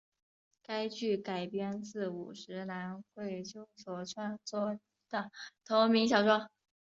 该剧改编自五十岚贵久所创作的同名小说。